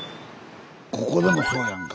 ここでもすごいやんか。